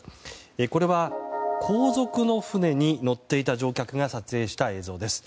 これは後続の船に乗っていた乗客が撮影した映像です。